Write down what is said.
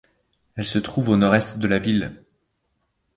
Elle se trouve au nord-est de la ville.